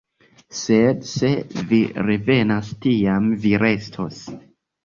Sed se vi revenas, tiam vi restos.